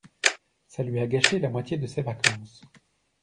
ça lui a gâché la moitié de ses vacances.